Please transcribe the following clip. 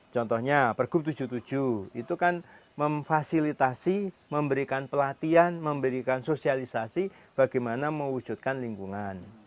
contohnya pergub tujuh puluh tujuh itu kan memfasilitasi memberikan pelatihan memberikan sosialisasi bagaimana mewujudkan lingkungan